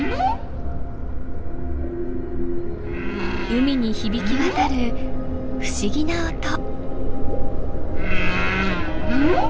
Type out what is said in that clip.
海に響き渡る不思議な音。